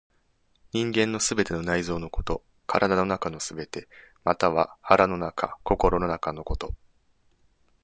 人間の全ての内臓のこと、体の中すべて、または腹の中、心の中のこと。